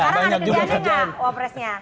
sekarang ada kerjaannya nggak wapres nya